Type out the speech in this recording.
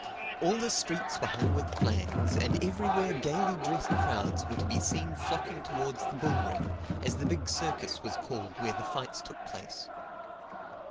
All the streets were hung with flags; and everywhere gaily dressed crowds were to be seen flocking towards the bull ring, as the big circus was called where the fights took place.